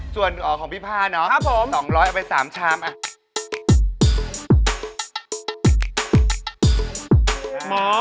ส่วนของพี่พ่านเนอะ๒๐๐เอาไป๓ชามอะครับผม